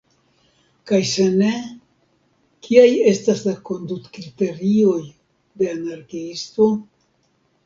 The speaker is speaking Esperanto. Kaj se ne, kiaj estas la kondutkriterioj de anarkiisto?